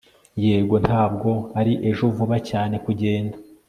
Yego ntabwo ari ejo vuba cyane kugenda